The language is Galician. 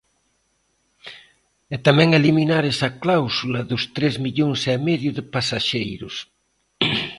E tamén eliminar esa cláusula dos tres millóns e medio de pasaxeiros.